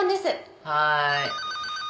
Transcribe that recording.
はい。